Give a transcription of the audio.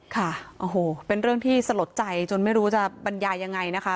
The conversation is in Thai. ค่ะโอ้โหเป็นเรื่องที่สลดใจจนไม่รู้จะบรรยายยังไงนะคะ